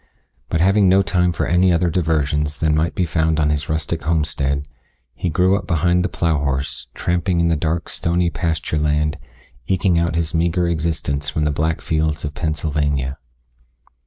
But having no time for any other diversions than might be found on his rustic homestead, he grew up behind the plow horse, tramping in the dark, stony pasture land, eking out his meager existence from the black fields of Pennsylvania.